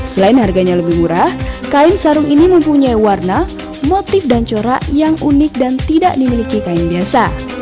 selain harganya lebih murah kain sarung ini mempunyai warna motif dan corak yang unik dan tidak dimiliki kain biasa